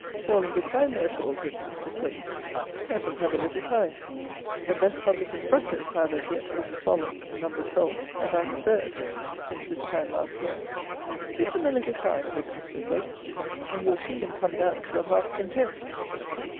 All in good time, therefore, good Mr. Thwaites. Let us have a little time. The "best public instructors" have, as yet, only fallen, in number sold, about a third, since this time last year. Give them a little time, good Mr. Thwaites, and you will see them come down to your heart's content.